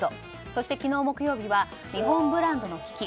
そして昨日木曜日は日本ブランドの危機